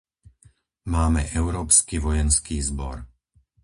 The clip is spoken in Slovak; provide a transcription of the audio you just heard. Máme európsky vojenský zbor.